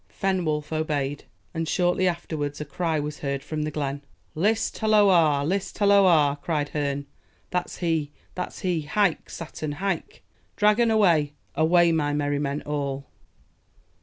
Fenwolf obeyed; and shortly afterwards a cry was heard from the glen. "List halloa! list halloa!" cried Herne, "that's he! that's he! hyke! Saturn! hyke, Dragon Away! away, my merry men all."